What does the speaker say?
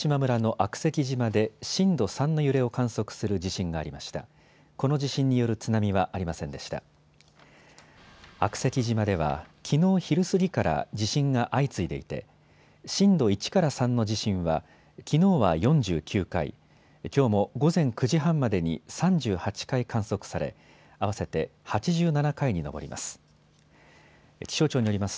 悪石島ではきのう昼過ぎから地震が相次いでいて震度１から３の地震はきのうは４９回、きょうも午前９時半までに３８回観測され合わせて８７回に上ります。